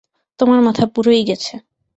তোমার মাথা পুরোই গেছে।